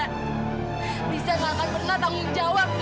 riza gak akan pernah tanggung jawab ya